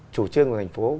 chủ trương của thành phố